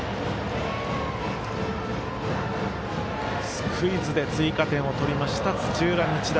スクイズで追加点を取りました、土浦日大。